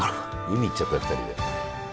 海行っちゃったよ２人で。